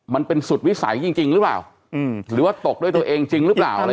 มันเป็นสุดวิสัยจริงหรือเปล่าหรือว่าตกด้วยตัวเองจริงหรือเปล่าอะไร